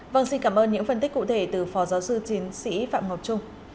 vâng xin cảm ơn những phân tích cụ thể từ phó giáo sư tiến sĩ phạm ngọc trung